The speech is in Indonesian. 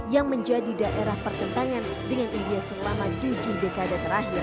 yang menjadi daerah pertentangan dengan india selama tujuh dekade terakhir